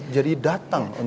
jadi datang untuk ini